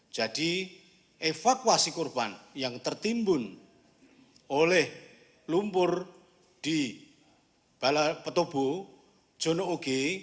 jadi evakuasi korban yang tertimbun oleh lumpur di petobo jono ugi